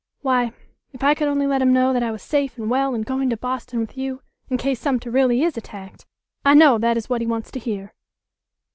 "Why, if I could only let him know that I was safe and well and going to Boston with you, in case Sumter really is attacked; I know that is what he wants to hear."